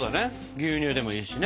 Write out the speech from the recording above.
牛乳でもいいしね。